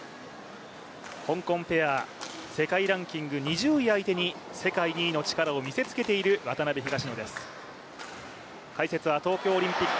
香港ペア世界ランキング２０位相手に世界の力を見せつけている渡辺・東野です。